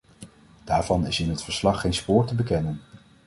Daarvan is in het verslag geen spoor te bekennen.